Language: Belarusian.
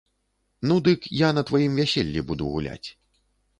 Ну, дык я на тваім вяселлі буду гуляць.